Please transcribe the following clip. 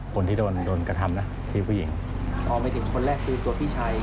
คนที่โดนโดนกระทำนะที่ผู้หญิงพอไปถึงคนแรกคือตัวพี่ชาย